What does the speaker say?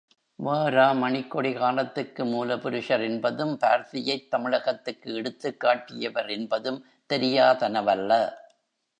வ.ரா மணிக்கொடி காலத்துக்கு மூலபுருஷர் என்பதும், பார்தியைத் தமிழகத்துக்கு எடுத்துக்காட்டியவர் என்பதும் தெரியாதனவல்ல.